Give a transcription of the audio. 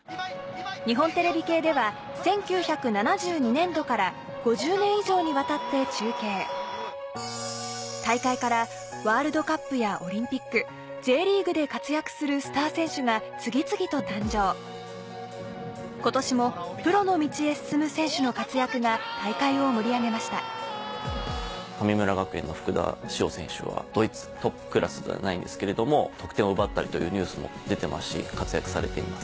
日本テレビ系では１９７２年度から５０年以上にわたって中継大会からワールドカップやオリンピックＪリーグで活躍するスター選手が次々と誕生今年もプロの道へ進む選手の活躍が大会を盛り上げました神村学園の福田師王選手はドイツトップクラスではないんですけれども得点を奪ったりというニュースも出てますし活躍されています。